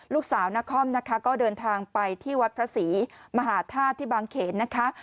ลูกสาวนครนะคะก็เดินทางไปที่วัดพระศรีมหาธาตุที่บางเขนนะคะ